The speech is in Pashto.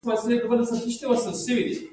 غرمه د ساده خوښیو موده ده